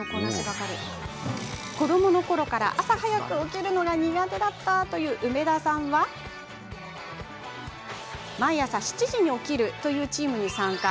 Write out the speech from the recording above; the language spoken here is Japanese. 子どものころから朝早く起きるのが苦手だったという梅田さんは毎朝７時に起きるというチームに参加。